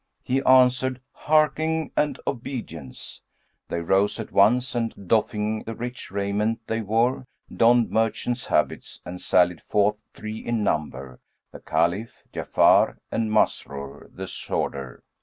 He answered, "Hearkening and obedience." They rose at once and doffing the rich raiment they wore, donned merchants' habits and sallied forth three in number, the Caliph, Ja'afar and Masrur the sworder.